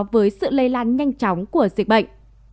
với sự lây lan nhanh chóng của dịch bệnh